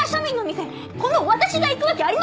この私が行くわけありませんもの！